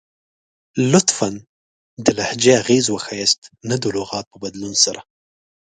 لطفاً ، د لهجې اغیز وښایست نه د لغات په بدلون سره!